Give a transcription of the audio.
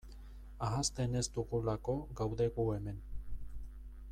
Ahazten ez dugulako gaude gu hemen.